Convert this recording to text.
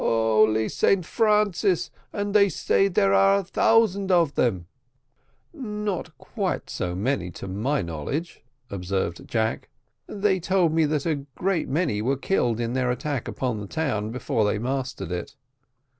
"Holy Saint Francis! and they say there are a thousand of them." "Not quite so many, to my knowledge," observed Jack. "They told me that a great many were killed in their attack upon the town, before they mastered it."